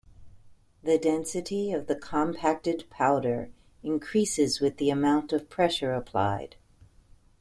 The density of the compacted powder increases with the amount of pressure applied.